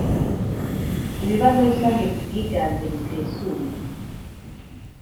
Ibibazo rusange ku bwiganze busesuye